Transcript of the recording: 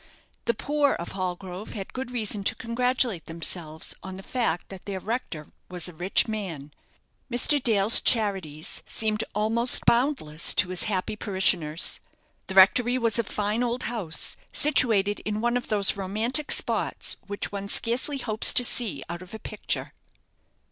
The poor of Hallgrove had good reason to congratulate themselves on the fact that their rector was a rich man. Mr. Dale's charities seemed almost boundless to his happy parishioners. The rectory was a fine old house, situated in one of those romantic spots which one scarcely hopes to see out of a picture.